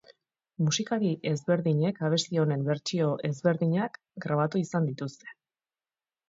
Musikari ezberdinek abesti honen bertsio ezberdinak grabatu izan dituzte.